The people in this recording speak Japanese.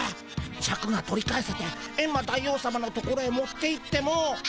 シャクが取り返せてエンマ大王さまの所へ持っていっても。